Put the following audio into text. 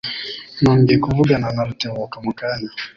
Nongeye kuvugana na Rutebuka mu kanya.